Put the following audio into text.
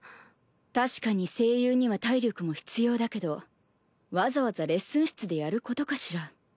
確かに声優には体力も必要だけどわざわざレッスン室でやることかしら？